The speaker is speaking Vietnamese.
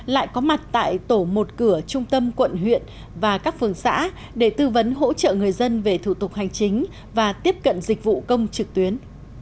lại có mặt tại tổ một cửa trung tâm quận huyện và các phường xã để tư vấn hỗ trợ người dân về thủ tục hành chính và tiếp cận dịch vụ công trực tuyến